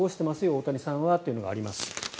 大谷さんはというのがあります。